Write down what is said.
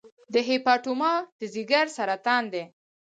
د هیپاټوما د ځګر سرطان دی.